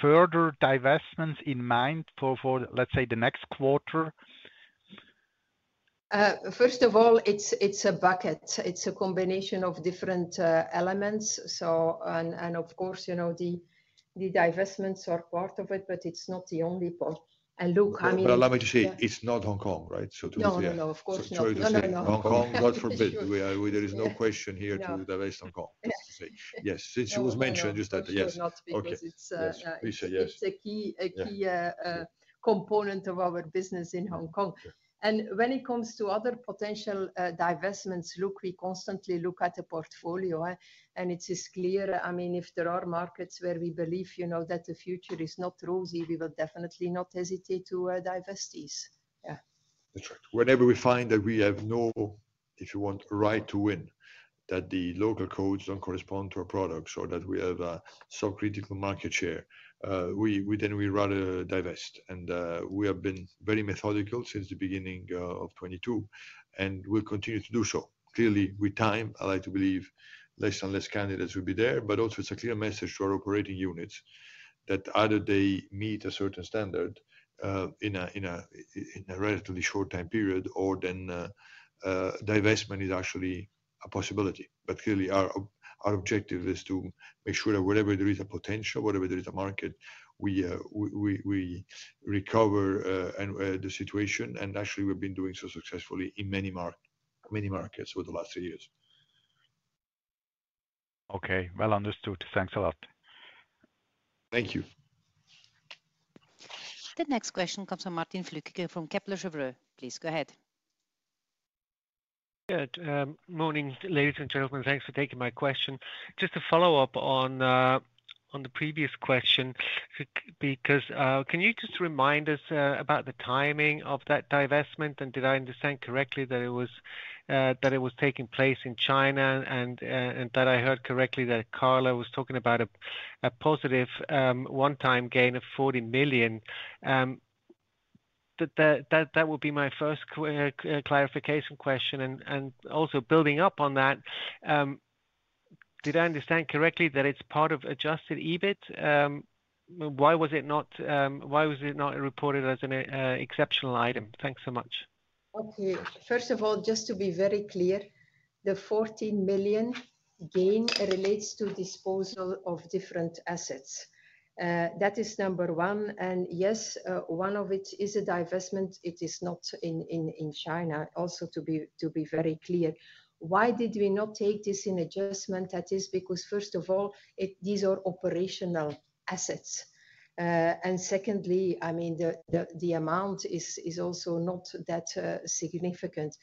further divestments in mind for, let's say, the next quarter? First of all, it's a bucket. It's a combination of different elements. So and of course, you know, the divestments are part of it, but it's not the only part. And look, I mean- But allow me to say, it's not Hong Kong, right? So to be clear. No, no, no. Of course not. So joy to say- No, no, no. Hong Kong, God forbid! There is no question here. Yeah... to divest Hong Kong, just to say. Yes, since it was mentioned, just that, yes. Of course not- Okay... because it's Yes. Please, say yes.... it's a key- Yeah... component of our business in Hong Kong. Sure. And when it comes to other potential divestments, look, we constantly look at the portfolio, and it is clear, I mean, if there are markets where we believe, you know, that the future is not rosy, we will definitely not hesitate to divest these. Yeah. That's right. Whenever we find that we have no, if you want, right to win, that the local codes don't correspond to our products or that we have subcritical market share, we then rather divest. And we have been very methodical since the beginning of 2022, and we'll continue to do so. Clearly, with time, I like to believe less and less candidates will be there, but also it's a clear message to our operating units that either they meet a certain standard in a relatively short time period, or then divestment is actually a possibility. But clearly, our objective is to make sure that wherever there is a potential, wherever there is a market, we recover and the situation. Actually, we've been doing so successfully in many markets over the last three years. Okay, well understood. Thanks a lot. Thank you. The next question comes from Martin Flueckiger from Kepler Cheuvreux. Please go ahead. Good morning, ladies and gentlemen. Thanks for taking my question. Just a follow-up on the previous question because can you just remind us about the timing of that divestment? And did I understand correctly that it was taking place in China, and that I heard correctly that Carla was talking about a positive one-time gain of 40 million? That would be my first clarification question. And also building up on that, did I understand correctly that it's part of Adjusted EBIT? Why was it not reported as an exceptional item? Thanks so much. Okay. First of all, just to be very clear, the 14 million gain relates to disposal of different assets. That is number one, and yes, one of which is a divestment. It is not in China, also to be very clear. Why did we not take this in adjustment? That is because, first of all, these are operational assets. And secondly, I mean, the amount is also not that significant.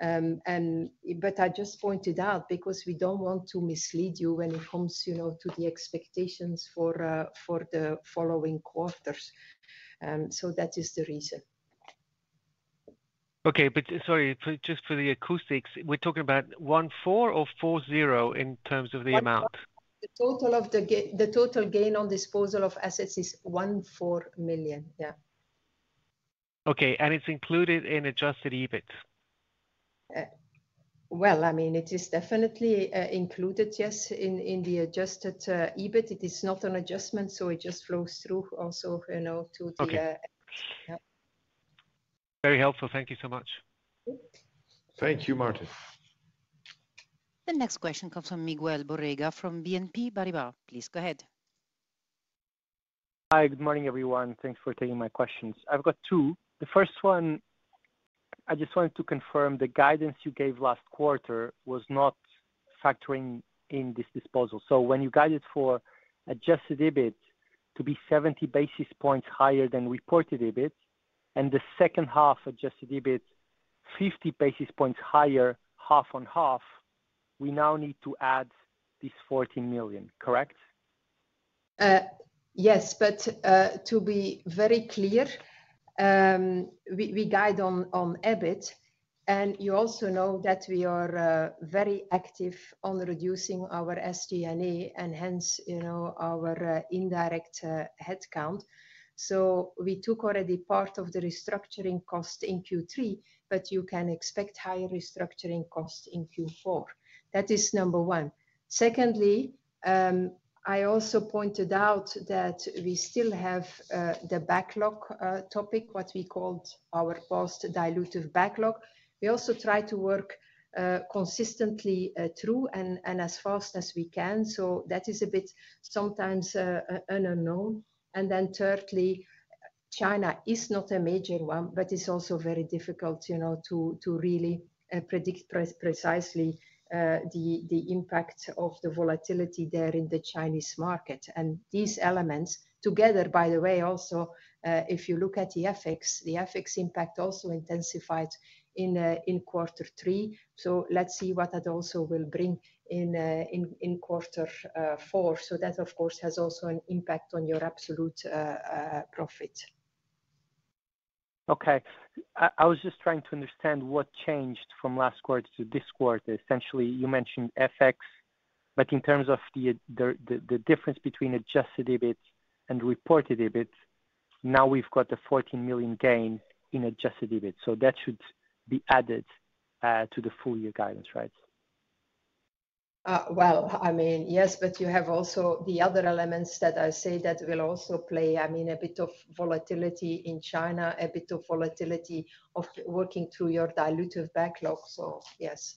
And but I just pointed out, because we don't want to mislead you when it comes, you know, to the expectations for the following quarters. So that is the reason. Okay, but sorry, just for the acoustics, we're talking about one four or four zero in terms of the amount? The total gain on disposal of assets is 14 million. Yeah. Okay, and it's included in Adjusted EBIT? Well, I mean, it is definitely included, yes, in the Adjusted EBIT. It is not an adjustment, so it just flows through also, you know, to the- Okay. Yeah.... Very helpful. Thank you so much. Thank you, Martin. The next question comes from Miguel Borrega from BNP Paribas. Please go ahead. Hi, good morning, everyone. Thanks for taking my questions. I've got two. The first one, I just wanted to confirm the guidance you gave last quarter was not factoring in this disposal. So when you guided for Adjusted EBIT to be 70 basis points higher than Reported EBIT, and the second half, Adjusted EBIT, 50 basis points higher, 50/50, we now need to add this 14 million, correct? Yes, but to be very clear, we guide on EBIT. And you also know that we are very active on reducing our SG&A and hence, you know, our indirect headcount. So we took already part of the restructuring cost in Q3, but you can expect higher restructuring costs in Q4. That is number one. Secondly, I also pointed out that we still have the backlog topic, what we called our cost-dilutive backlog. We also try to work consistently through and as fast as we can, so that is a bit sometimes unknown. And then thirdly, China is not a major one, but it's also very difficult, you know, to really predict precisely the impact of the volatility there in the Chinese market. And these elements together, by the way, also, if you look at the FX, the FX impact also intensified in quarter three. So let's see what that also will bring in in quarter four. So that, of course, has also an impact on your absolute profit. Okay. I was just trying to understand what changed from last quarter to this quarter. Essentially, you mentioned FX, but in terms of the difference between Adjusted EBIT and Reported EBIT, now we've got the 14 million gain in Adjusted EBIT, so that should be added to the full year guidance, right? Well, I mean, yes, but you have also the other elements that I say that will also play, I mean, a bit of volatility in China, a bit of volatility of working through your dilutive backlog. So yes.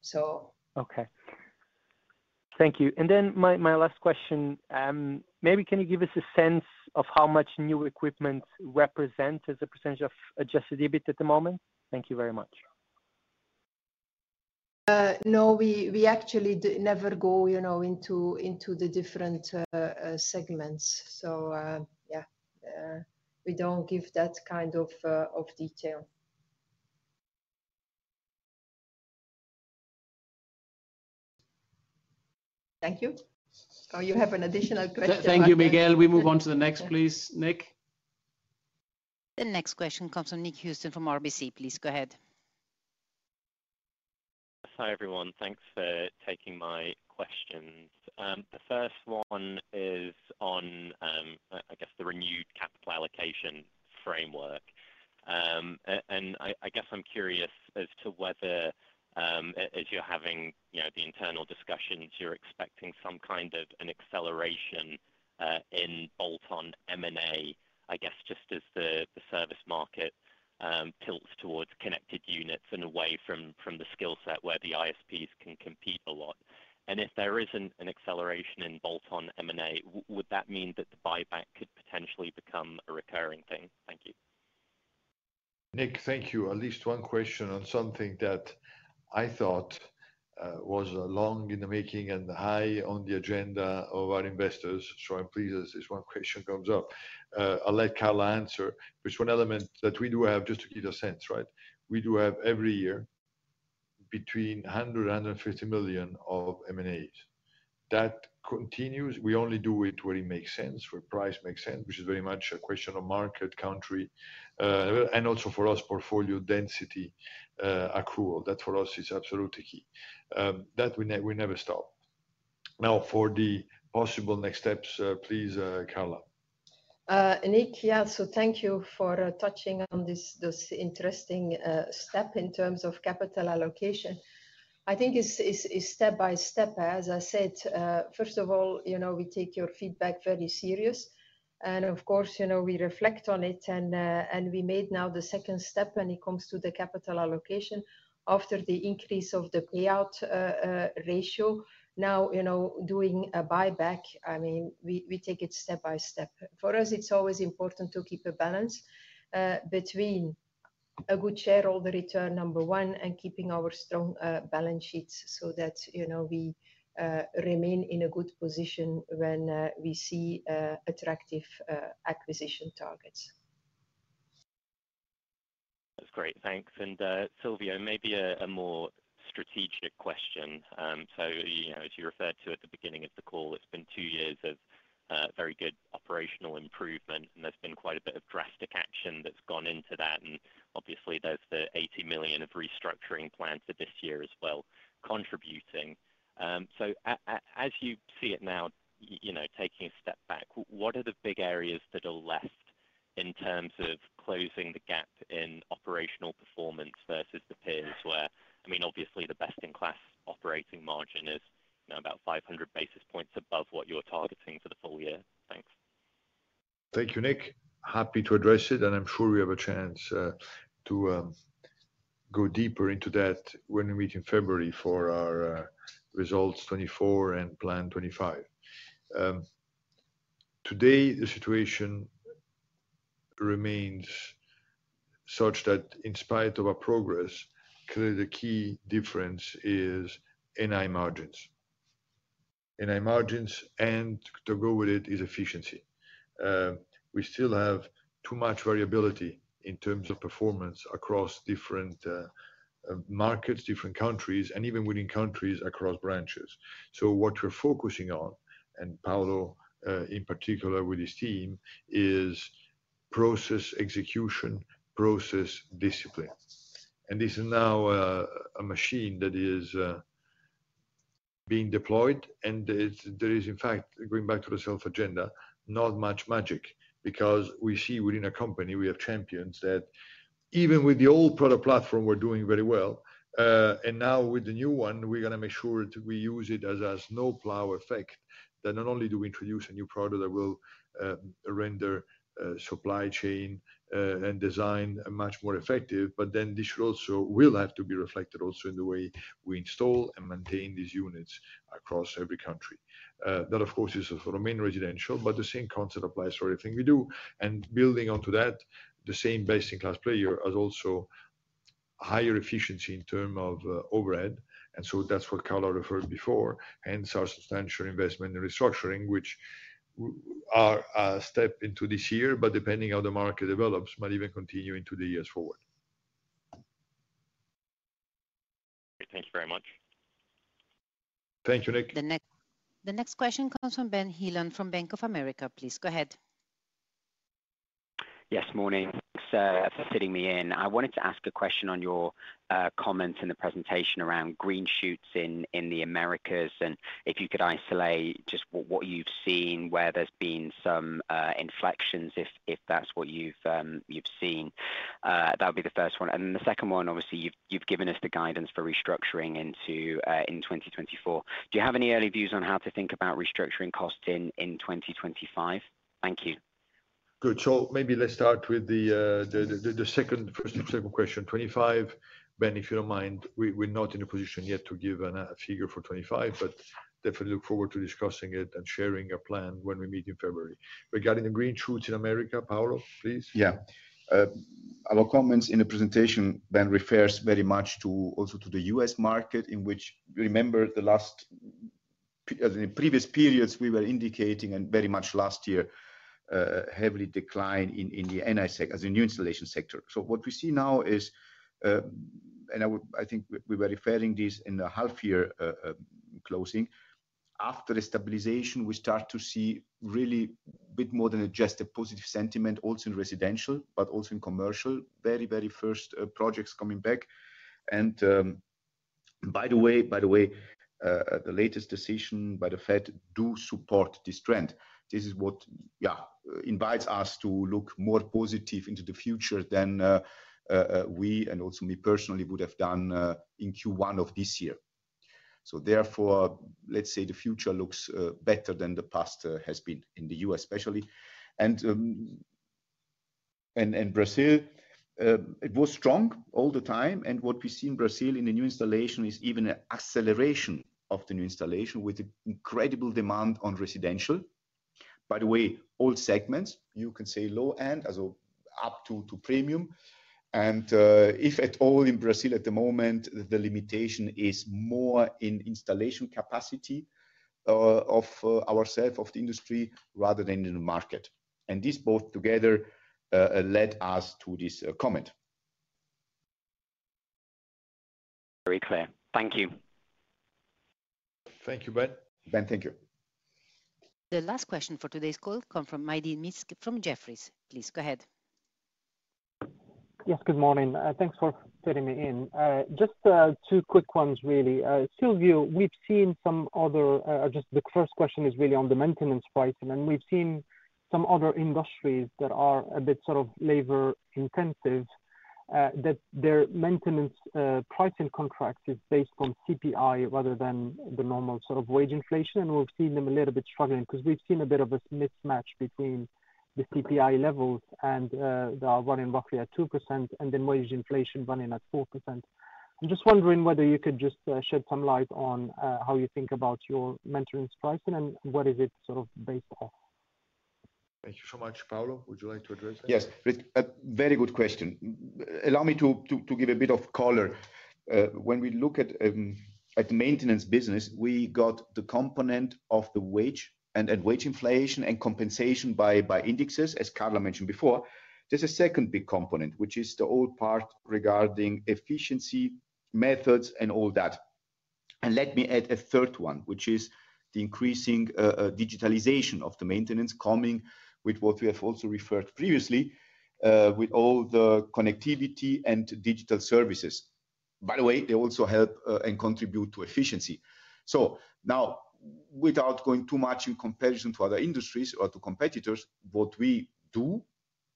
So... Okay. Thank you. And then my last question, maybe can you give us a sense of how much new equipment represent as a percentage of Adjusted EBIT at the moment? Thank you very much. No, we actually never go, you know, into the different segments. So, yeah, we don't give that kind of detail. Thank you. Oh, you have an additional question? Thank you, Miguel. We move on to the next, please. Nick? The next question comes from Nick Housden from RBC. Please go ahead. Hi, everyone. Thanks for taking my questions. The first one is on, I guess, the renewed capital allocation framework. And I guess I'm curious as to whether, as you're having, you know, the internal discussions, you're expecting some kind of an acceleration in bolt-on M&A, I guess, just as the service market tilts towards connected units and away from the skill set where the ISPs can compete a lot. And if there isn't an acceleration in bolt-on M&A, would that mean that the buyback could potentially become a recurring thing? Thank you. Nick, thank you. At least one question on something that I thought was long in the making and high on the agenda of our investors, so I'm pleased as this one question comes up. I'll let Carla answer, which one element that we do have, just to give a sense, right? We do have every year between 100 million and 150 million of M&As. That continues. We only do it where it makes sense, where price makes sense, which is very much a question of market, country, and also for us, portfolio density, accrual. That, for us, is absolutely key. That we never stop. Now, for the possible next steps, please, Carla. Nick, yeah, so thank you for touching on this interesting step in terms of capital allocation. I think it's step by step. As I said, first of all, you know, we take your feedback very seriously, and of course, you know, we reflect on it and we made now the second step when it comes to the capital allocation after the increase of the payout ratio. Now, you know, doing a buyback, I mean, we take it step by step. For us, it's always important to keep a balance between a good shareholder return, number one, and keeping our strong balance sheets, so that, you know, we remain in a good position when we see attractive acquisition targets. That's great. Thanks. And, Silvio, maybe a more strategic question. So, you know, as you referred to at the beginning of the call, it's been two years of very good operational improvement, and there's been quite a bit of drastic action that's gone into that, and obviously, there's the 80 million of restructuring plans for this year as well, contributing. So as you see it now, you know, taking a step back, what are the big areas that are left in terms of closing the gap in operational performance versus the peers where, I mean, obviously the best-in-class operating margin is? Now about 500 basis points above what you're targeting for the full year. Thanks. Thank you, Nick. Happy to address it, and I'm sure we have a chance to go deeper into that when we meet in February for our results 2024 and plan 2025. Today, the situation remains such that in spite of our progress, clearly the key difference is NI margins. NI margins, and to go with it, is efficiency. We still have too much variability in terms of performance across different markets, different countries, and even within countries across branches. So what we're focusing on, and Paolo in particular with his team, is process execution, process discipline. And this is now a machine that is being deployed, and it's there is, in fact, going back to the self-help agenda, not much magic. Because we see within a company, we have champions that even with the old product platform, we're doing very well. And now with the new one, we're gonna make sure that we use it as a snowplow effect, that not only do we introduce a new product that will render supply chain and design much more effective, but then this should also will have to be reflected also in the way we install and maintain these units across every country. That, of course, is for the main residential, but the same concept applies for everything we do. And building onto that, the same basic class player has also higher efficiency in term of overhead, and so that's what Carla referred before, hence our substantial investment in restructuring, which are a step into this year, but depending how the market develops, might even continue into the years forward. Thank you very much. Thank you, Nick. The next question comes from Ben Heelan from Bank of America. Please, go ahead. Yes, morning. Sir, for fitting me in, I wanted to ask a question on your comments in the presentation around green shoots in the Americas, and if you could isolate just what you've seen, where there's been some inflections, if that's what you've seen. That would be the first one. And the second one, obviously, you've given us the guidance for restructuring into in 2024. Do you have any early views on how to think about restructuring costs in 2025? Thank you. Good. So maybe let's start with the first and second question. 2025, Ben, if you don't mind, we're not in a position yet to give a figure for 2025, but definitely look forward to discussing it and sharing a plan when we meet in February. Regarding the green shoots in Americas, Paolo, please. Yeah. Our comments in the presentation, Ben, refers very much to also to the U.S. market, in which remember the last. In previous periods, we were indicating, and very much last year, heavily decline in the NI sector as a new installation sector. So what we see now is, and I think we were referring this in the half year closing. After the stabilization, we start to see really bit more than just a positive sentiment, also in residential, but also in commercial. Very, very first projects coming back. And, by the way, the latest decision by the Fed do support this trend. This is what, yeah, invites us to look more positive into the future than we and also me personally would have done in Q1 of this year, so therefore, let's say the future looks better than the past has been in the U.S., especially, and Brazil, it was strong all the time, and what we see in Brazil in the new installation is even an acceleration of the new installation, with incredible demand on residential. By the way, all segments, you can say low end, as up to premium, and if at all in Brazil at the moment, the limitation is more in installation capacity of ourselves, of the industry, rather than in the market, and this both together led us to this comment. Very clear. Thank you. Thank you, Ben. Ben, thank you. The last question for today's call comes from Rizk Maidi from Jefferies. Please go ahead. Yes, good morning. Thanks for fitting me in. Just two quick ones, really. Silvio, we've seen some other... Just the first question is really on the maintenance pricing, and we've seen some other industries that are a bit sort of labor-intensive, that their maintenance pricing contracts is based on CPI rather than the normal sort of wage inflation. We've seen them a little bit struggling because we've seen a bit of a mismatch between the CPI levels and the one in roughly at 2%, and then wage inflation running at 4%. I'm just wondering whether you could just shed some light on how you think about your maintenance pricing and what is it sort of based off? Thank you so much. Paolo, would you like to address that? Yes, very good question. Allow me to give a bit of color. When we look at maintenance business, we got the component of the wage and wage inflation and compensation by indexes, as Carla mentioned before. There's a second big component, which is the old part regarding efficiency, methods, and all that. Let me add a third one, which is the increasing digitalization of the maintenance coming with what we have also referred previously with all the connectivity and digital services. By the way, they also help and contribute to efficiency. So now-... Without going too much in comparison to other industries or to competitors, what we do,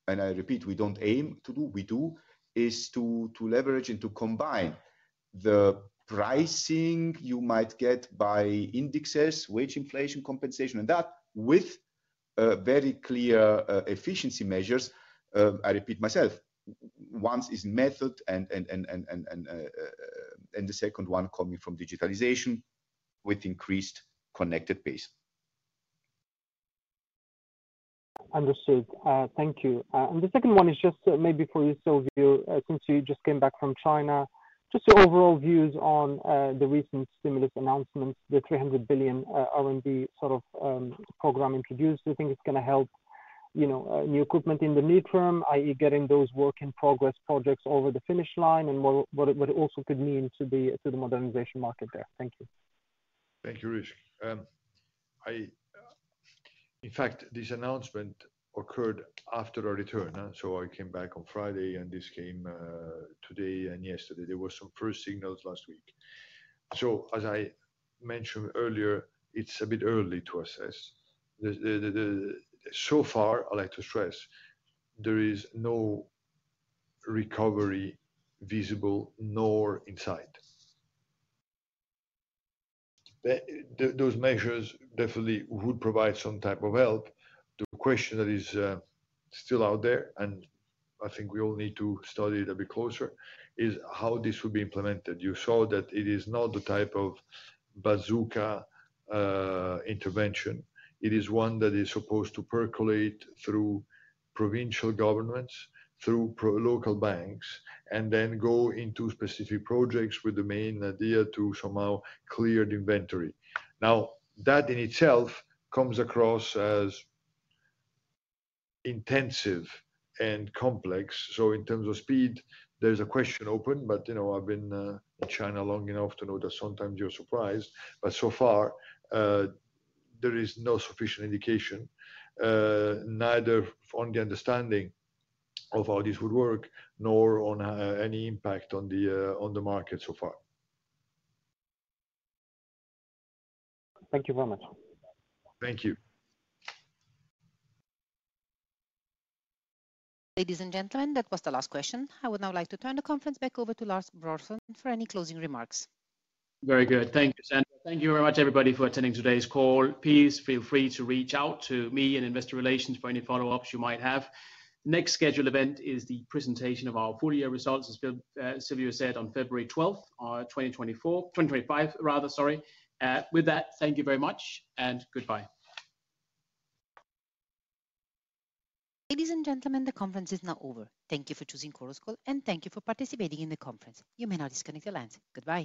and I repeat, we don't aim to do, we do, is to leverage and to combine the pricing you might get by indexes, wage inflation, compensation, and that with very clear efficiency measures. I repeat myself, one's method and the second one coming from digitalization with increased connected base. Understood. Thank you, and the second one is just maybe for you, Silvio, since you just came back from China, just your overall views on the recent stimulus announcements, the 300 billion sort of program introduced. Do you think it's gonna help, you know, new equipment in the midterm, i.e., getting those work-in-progress projects over the finish line? And what it also could mean to the modernization market there. Thank you. Thank you, Rizk. In fact, this announcement occurred after our return, so I came back on Friday, and this came today and yesterday. There were some first signals last week. So as I mentioned earlier, it's a bit early to assess. So far, I'd like to stress, there is no recovery visible nor insight. Those measures definitely would provide some type of help. The question that is still out there, and I think we all need to study it a bit closer, is how this will be implemented. You saw that it is not the type of bazooka intervention. It is one that is supposed to percolate through provincial governments, through local banks, and then go into specific projects with the main idea to somehow clear the inventory. Now, that in itself comes across as intensive and complex. So in terms of speed, there's a question open, but, you know, I've been in China long enough to know that sometimes you're surprised. But so far, there is no sufficient indication, neither on the understanding of how this would work nor on any impact on the market so far. Thank you very much. Thank you. Ladies and gentlemen, that was the last question. I would now like to turn the conference back over to Lars Brorson for any closing remarks. Very good. Thank you, Sandra. Thank you very much, everybody, for attending today's call. Please feel free to reach out to me in Investor Relations for any follow-ups you might have. Next scheduled event is the presentation of our full year results, as Silvio said, on February 12th, 2025, rather, sorry. With that, thank you very much and goodbye. Ladies and gentlemen, the conference is now over. Thank you for choosing Chorus Call, and thank you for participating in the conference. You may now disconnect your lines. Goodbye.